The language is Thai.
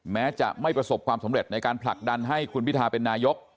แม้จะไม่ประสบความสำเร็จในการผลักดันให้คุณพิทาเป็นนายก